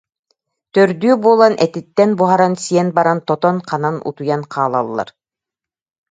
Төрдүө буолан этиттэн буһаран сиэн баран тотон-ханан утуйан хаалаллар